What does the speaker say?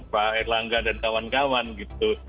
pak erlangga dan kawan kawan gitu